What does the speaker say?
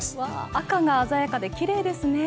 赤が鮮やかで奇麗ですね。